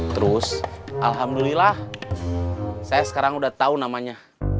terus alhamdulillah saya sekarang udah tahu namanya